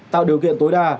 tạo điều kiện tối đa